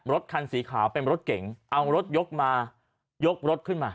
รถคันสีขาวเป็นรถเก๋งเอารถยกมายกรถขึ้นมา